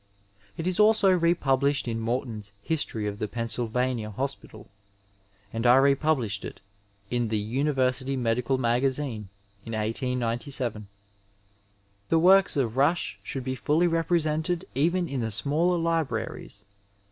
It is also republished in Morton's History of the Pennst^vania Hospital, and I republished it in the University Medical Magazine in 1897. The works of Rush should be fully represented even in the smaller libraries.